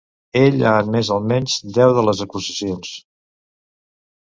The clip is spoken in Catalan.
Ell ha admès almenys deu de les acusacions.